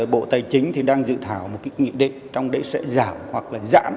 bộ tài chính đang dự thảo một nghị định trong đấy sẽ giảm hoặc là giãn